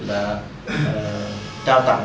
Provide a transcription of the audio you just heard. là trao tặng